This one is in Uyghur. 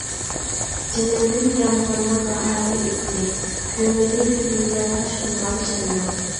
جىنىمدىن يامغۇرنىڭ باھارى ئۆتتى، كۆيمىدى كۆزۈمدە تاش بولغان شەبنەم.